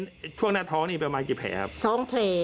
ในช่วงหน้าท้อนี่ประมาณกี่แผลครับ